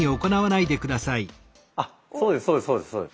あっそうですそうですそうです。